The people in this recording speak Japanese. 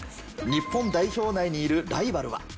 日本代表内にいるライバルは？